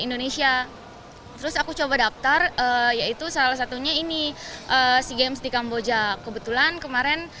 indonesia terus aku coba daftar yaitu salah satunya ini sea games di kamboja kebetulan kemarin